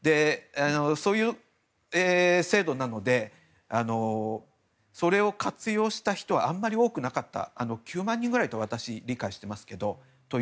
そういう制度なのでそれを活用した人はあんまり多くなかった９万人ぐらいと私は理解していますが。